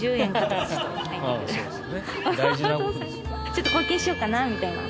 ちょっと貢献しようかなみたいな。